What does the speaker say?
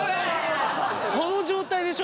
この状態でしょ？